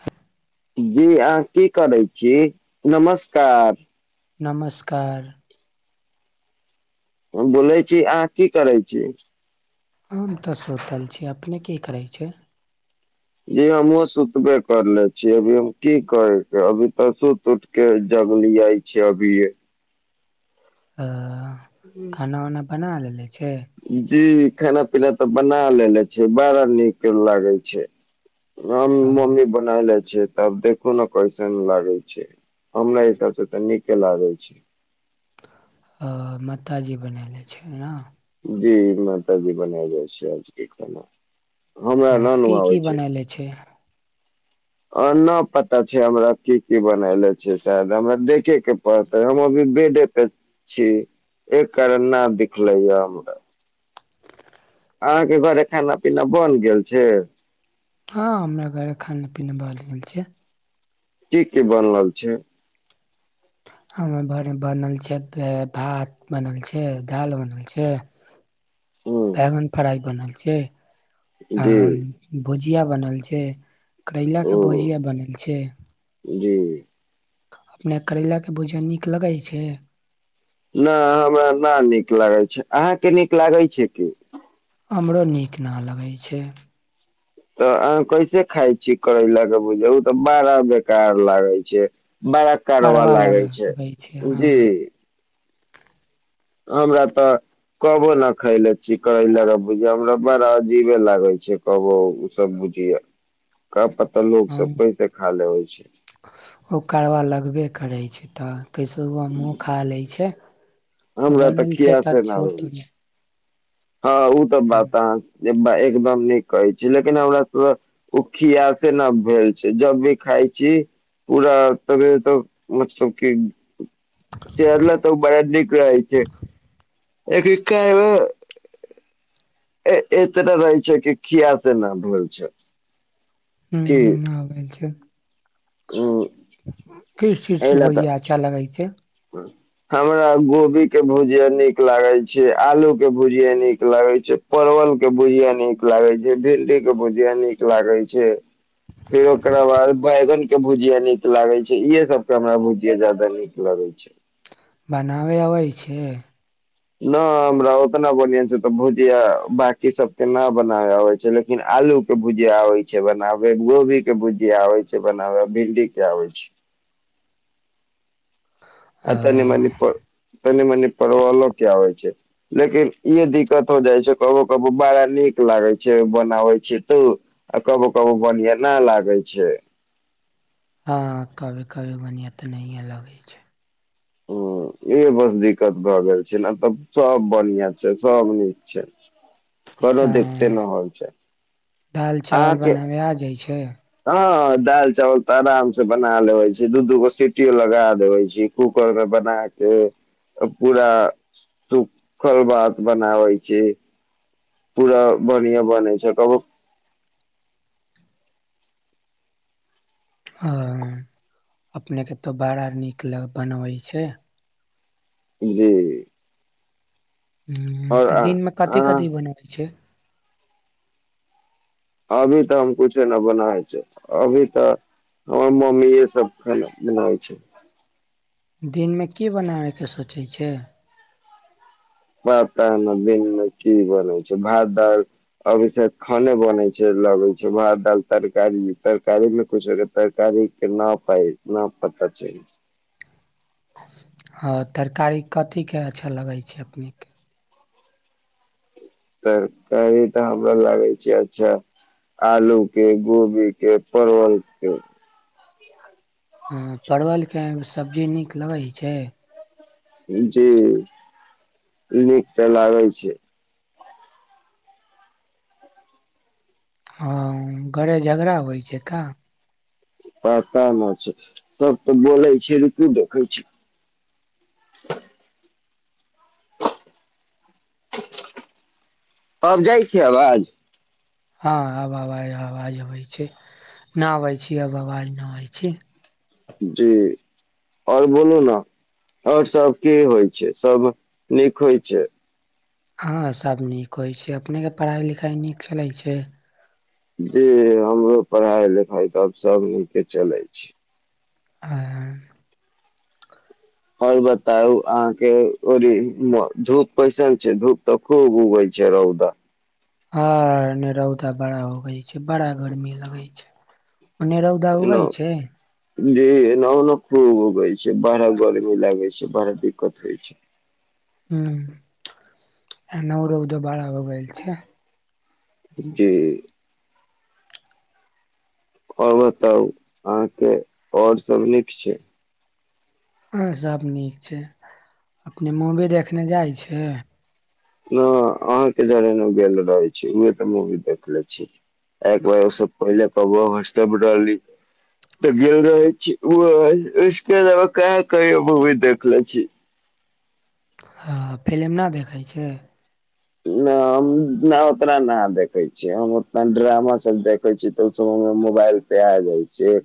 आ। जी अहाँ की करै छी नमस्कार। नमस्कार। बोलै छी अहाँ की करै छी। हम तऽ सोतल छी अपने की करै छै। जी हमहहुँ सुतबे करले छीियै अभी हम की करै अभी तऽ सुति उठके जगलियियइ छीिय अभीे। ह। खानान वना बना लेले ले छै। जी खाना पीना तऽ बना लेे छ बड़ा नीक लागे छै। हम अ मम्मी बनाएल छै। तब देखू ने कैसन लागे छै हमरा हिसाबसँ तऽ नीके लागे छै। आ माताजी बनाले छै ने। जी मात जी बनाए जाइ छै आजके खाना। हमरा हँ न नु की आबै की बनायले छै। आ नहि पता छै हमरा की की बनले छै शायद हमरा देखे के पड़त हम अभी बेडे पे छी एक कारण न दिखले य हमरा। अहाँके घरे खाना पीना बन गेल छै। हँ हमरा घर खाना पीना बल गेल छै। की की बनल छै। ह बनल छै भात बनल छै दाल बनल छै। ह बैगन फड़इ बनल छैै। अ जी भुजिया बनल छै। [unintelligible] ओ करैलाके भुजिया बनल छै। जी। अपने करैलाके भूजा नीक लगै छै। नहि हमरा न नीक लागैत छै अहाँके नीक लागैत छै की। हमरो नीक न लगै छै। तऽ अहाँ कैसे खााय छीिय करैला के बुझ ओ तऽ बड़ा बेकार लागै छै। बालक कार करवा लग लागे छै लगै हँ जी। हमरा तऽ कबो ने खयले छीिय कहै ल बुझिय हमरा बड़ा अजीबे लागे छै कबो ओ सब बुझिय प। तऽ लोकोग हम सब पैसे खा लेबै छै। सित कैसहुो मुँह खा लै छै। आ हमरा बनल तखीिया तऽ छै ने। छोट हुं हँ ओ तऽ बात ह एकदम नीक कहै छी लेकिन हमरा सब ओ खिय से न भेल छै जब भी खााय छी पूरा त मतलब क। शहरला तऽ बड़ा नीक रहै छै। एक एतना रहै छै कि खिया से नहि भेलल छै। ह की आ भ छै। उ किस एहि चीजके लए तऽ बोजिया अच्छा लगै छै। हमरा गोभी के भुजिया नीक लागे छै आलू के भुजिया नीक लागे छै परवल के भुजिया नीक लागे छै भिंडी के भुजिया नीक लागे छै फेर ओकरा बाद बैंगन के भुजिया नीक लागे छै इहे सब के हमरा भुजिया जाद नीक लगे छै। छै। बनाबय अबै छै। नहि हमरा ओतना बढ़आं छै तऽ भुजिया बकी सबके नहि बनाबै आबै छै लेकिन आलू के भुजिया आबै छै बनाबे गोभी के भुजिया आबै छै बनाबे भिंडी के आबै छै। अ आ तनि मनिप। तनी मनी पवलो क्य होइ छै लेकिन ई दिक्कत हो जाइ छै कबो कबो बड़ा नीक लागे छै बनाबै छै तू आ कबो कबो बढ़िआ न लागे छै। हँ कवि कवि मने त नहि अ अलग ह छै। ह इह बस दिक्कत भए गेल छै ने तब सब बढ़िआँ छै सब नीक छै। घरो हँ देखते न होइ छै। दाल चावल अहाँके बनाबे आ जाइ छै। हँ दाल चावल तऽ आराम से बना लेवे छै दू दूगो सीटियो लगा देवे छै कूकर के बना के पूरा सुखल भात बनावे छै पूरा बढ़िया बने छै को। ह अपनेके तो बड़ा नीक ल बनबै छै। जी। ह आओर तऽ दिनमे कथिी अहाँ कथिी बनबै छै। अभी तऽ हम कुछ। बनाइ छै अभी तऽ हमर मम्मीे सब ख बनाै छै। दिनमे की बनाबयके सोचै छै। प दिन मे की बनै छै भात दाल अभ खाने बनै छै लगै छै भात दाल तरकारी तरकारी मे कछ तरकारी के नहि पाय पता चल। हँ तरकारी कथीके अच्छा लगै छै अपनेके। तरकारी तऽ हमरा लागै छै अच्छा आलू के गोभी के परवल के। ह पढ़वल। के सब्जी नीक लगै छै। जी लीक त लागै छै। हँ घरे झगड़ा होइ छै क। पतामे छै तब तऽ बोलै छै र कु देखै छै। अब जाइ छिय आवाज हँ आब आवाज आवाज अबै छै नहि अबै छी आब आवाज नहि अबै छी। जी आओर बोलू ने आओर सब की होइ छै सब नीक होइ छै। हँ सभ नीक होइ छै अपनेके पढ़ाइ लिखाइ नीक चलैत छै। जी हमरो पढ़ाइ लिखाइ तऽ आब सभ मिलके चलै छी। आ। आओर बताउ अहाँके ओ धूप कैसन छै धूप तऽ खूब उगै छै रौदा। हँ रौदा भड़ा हो गाय छै बड़ा गरमी लगई छै। ओने रौदा उगाय छै। ज एना ओना खूब उगै छै बड़ा गर्मी लागै छै बड़ा दिक्कत होइ छै। हू ए नरौद ब भ गेल छै। जेी। आओर बताउ अहाँके आओर सभ नीक छै। हँ सभ नीक छै अपने मूवी देखने जाइ छै। न अहाँ के रे गेल रहे छी उह तऽ मूवी देखले छी एक बार ओ सब पहिले क रहली तऽ गेल रहे छी उसके अलावा कह कहियो मूवी देखले छी। हँ फिलिम नहि देखै छै। नहि हम नहि उतना नहि देखै छियै हम ओतना ड्रामा सभ देखै छियै तऽ ओसभ मोबाइल पे आ जाइ छिय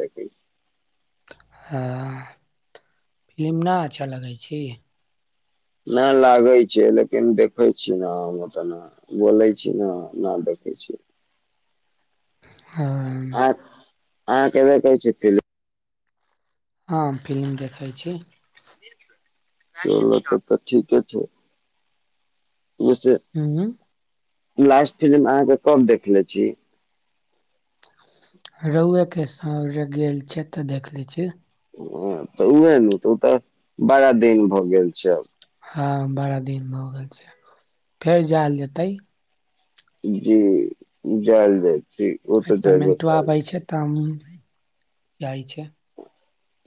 देखै छी। ह फिलिम नहि अच्छा लगै छी। नहि लागै छै लेकिन देखै छी ने हम ओ तऽ बोलै छी ने नहि देखैत छी। ह। आ आ कमे कै ची हँ फिलि्म देखै छी। चलो तऽ तऽ ठीके छै। ओ से हम्म लास्ट फिलिम अहाँके कब देखनेे छी। रोहुए के सा जे गेल छै तऽ देख ले छी। ह तऽ उएहे ने तऽ ओ तऽ बारा दिन भऽ गेल छै। हँ बारा दिनमे हो गेल छै फेर जयल जेतै। जी जयदव पेमेंटो आबै छै तऽ जाइ छै।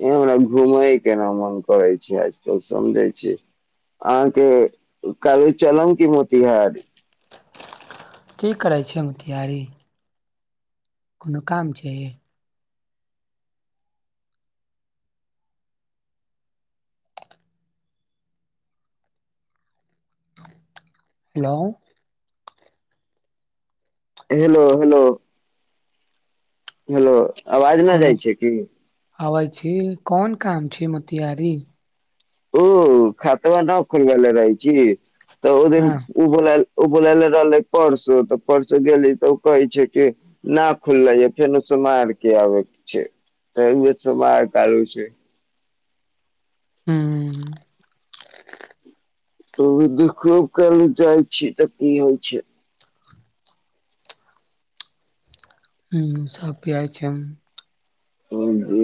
हमरा घुमै केना मन करै छै आज तल समझै छी अहाँके कालू चलम क मोतिहारी। की करै छै ओ तैयारी। कोनो काम छै। हेलो। Hello hello. हेलो। आवाज न कोनो जाइ छै की आबै छै कोन काम प छै मतिआरीी। ओ खात बाद खल बल रहै छै। तऽ ओदिन हँ ओ बोल ओ बुलले रहले परसो तऽ परसो गेली तऽ ओ कहे छै के ना खुलले ह फेन समहार के आबे छै त समहार कालू छै। हू। त देख काल चाह छी त की होइ छै। ह मस प छै। ह जी।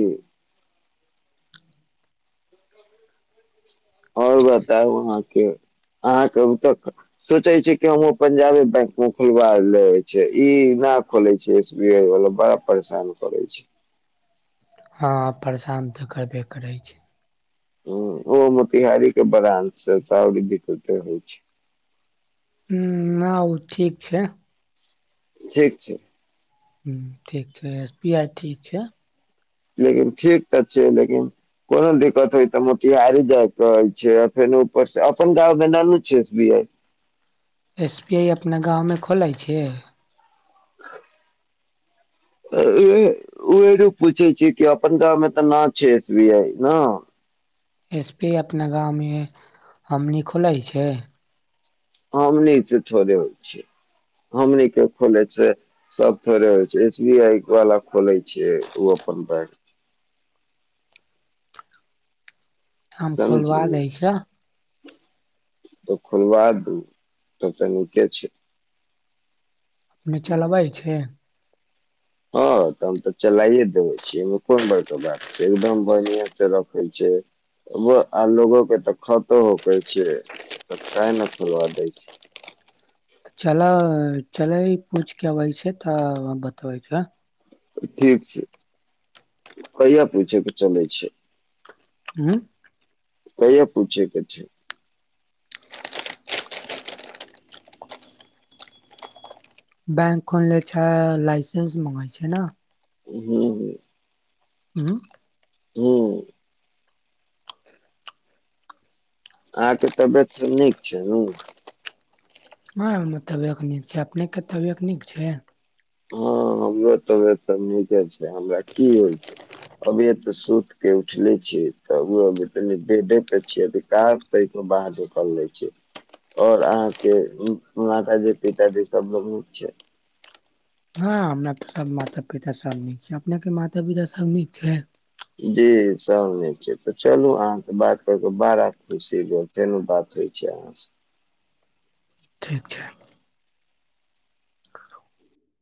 आओर बताउ अहाँके अहाँके तऽ सोचै छै कि हमूँ पंजाबे बैंक मे खोलबा ले छै ई नहि खोले छै एस बी आई वाला बड़ा परेशान करै छै। हँ परेशान तऽ करबे करै छै। ह ओ मोतिहारी के बड़ंसँओरी बत होइ छै। ह आ ओ ठीक छै। ठीक छै। ह ठीक छै एस पी आइ ठीक छै। लेकिन ठीक तऽ छै लेकिन कोनो दिक्कत होइ तऽ मोतिहारी जायके रहै छै फेर ऊपरसँ अपन गाँवमे नानू छैी आ। एस बी आइ अपना गाँवमे खोलै छियै। ओरो पूछै छ कि अपन गाँव मे तऽ ना छै एस बी आई ने। एस पी अपना गामवमे हमनी खोलै छै। हमनी त थोड़े होइ छै हमने खोले छै सब थोड़े होइ छै एच बी आई वाला खोलै छैै ओ अपन बैक हम खोलवा दै छियह त खनबा दू तब तऽ नीके छै। अपने चलाबइ छै। हँ तऽ हम तऽ चलाइए देबै छीियै एहिमे कोन बड़के बात छै एकदम बढ़िआं से रखै छै आ लोगो के तऽ खतो करै छै तऽ काह ने खेलवा दै छै। चल चल ई पूछ कवइ छै तऽ बताबै छै। ठीक छै कहिया पूछेके चलै छै। हँ। कहि पूछिे के छै। बैंक खोन ले छ लाइसेंस मंगाइ छै ने हू ह। हँ। हू। आ के तबियत सब नीक छै न। हँ त व्यकनिक छै अपने के त व्यकनिक छै। हँ हमरो त त नीके छै हमरा की होइ छै अभी ए तऽ सुति क उठले छियै त अभी तनि ेडे पे छिय अधिक तो बाहर झकल लै छ आओर अहाँके माता जी पिताजी सभ बहुत छै। हँ हमना सब माता पिता सब नीक छै अपने के माता पिता सब नीक छै। जी सभ नहि छै तऽ चलू अहाँसँ बात क कऽ बड़ा खुशी ग तेहनो बात होइ छै अहाँसँ। ठीक छै।